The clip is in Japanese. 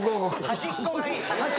端っこがいい？